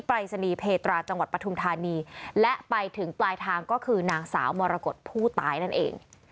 ปรายศนีย์เพตราจังหวัดปฐุมธานีและไปถึงปลายทางก็คือนางสาวมรกฏผู้ตายนั่นเอง